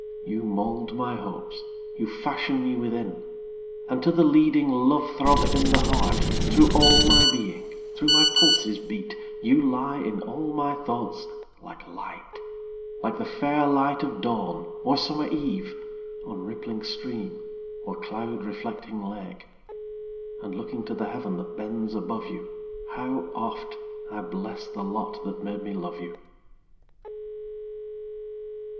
commune } 1807. Now first published from an MS. 26 You mould my Hopes you fashion me within: And to the leading love throb in the heart, Through all my being, through my pulses beat; You lie in all my many thoughts like Light, Like the fair light of Dawn, or summer Eve, On rippling stream, or cloud reflecting lake; And looking to the Heaven that bends above you, How oft! I bless the lot that made me love you.